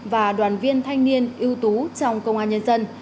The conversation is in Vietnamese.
và đoàn viên thanh niên ưu tú trong công an nhân dân